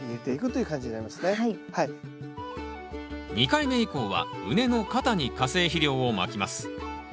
２回目以降は畝の肩に化成肥料をまきます。